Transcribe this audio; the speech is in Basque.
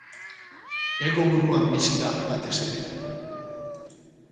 Hego Buruan bizi da batez ere.